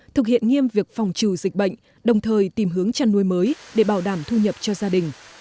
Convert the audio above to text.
thực hiện nghiêm việc phòng trừ dịch bệnh đồng thời tìm hướng chăn nuôi mới để bảo đảm thu nhập cho gia đình